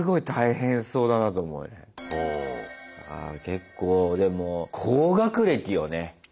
結構でも高学歴よね。